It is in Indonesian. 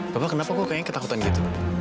bapak kenapa kok kayaknya ketakutan gitu